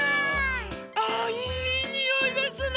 あいいにおいですね！